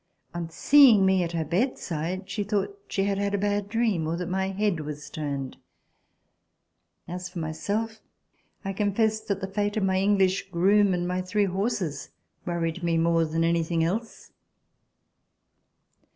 On seeing me at her bedside she thought that she had a bad dream or that my head was turned. As for myself, I confess that the fate of my English groom and my three horses worried me more than anything else.